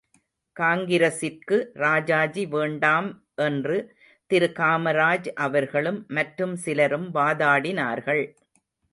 காங்கிரசிற்கு ராஜாஜி வேண்டாம் என்று திரு காமராஜ் அவர்களும் மற்றும் சிலரும் வாதாடினார்கள்.